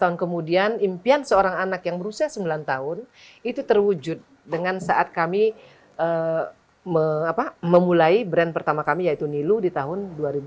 tahun kemudian impian seorang anak yang berusia sembilan tahun itu terwujud dengan saat kami memulai brand pertama kami yaitu nilu di tahun dua ribu dua